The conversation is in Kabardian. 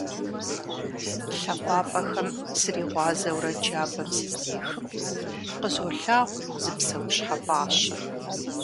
ЛъакъуапӀэхэм сригъуазэурэ джабэм сыздехым, къызолъагъу зы псэущхьэ пӀащэ.